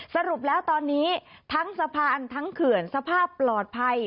สรุปแล้วตอนนี้ทั้งสะพานทั้งเขื่อนสภาพปลอดภัย